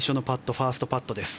ファーストパットです。